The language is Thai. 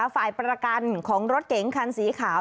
ฝ่ายประกันของรถเก๋งคันสีขาว